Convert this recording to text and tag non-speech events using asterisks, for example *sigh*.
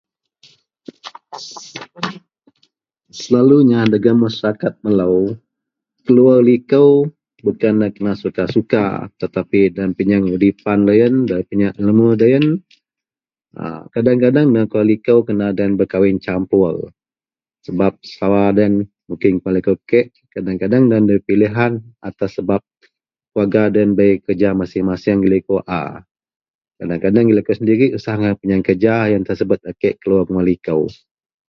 *noise* selalunya dagen Masyarakat melou, keluar likou bukanlah kerna suka-suka tetapi deloyien peyieng udipan deloyien peyieng ilmu deloyien a, kadeng-kadeng loyien keluar likou kerna deloyien berkahwin campur sebab sawa deloyien munkin kuman liko kek, kadeng=kadeng deloyien dabei pilihan atas sebab keluarga loyien bei kerja masing-masing gak likou a, kadeng-kadeng gak likou sendirik susah agai bak piyeng kerja, ien tan subet a kek keluar kuman likou